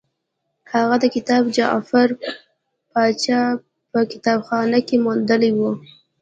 هغه دا کتاب د جعفر پاشا په کتابخانه کې موندلی وو.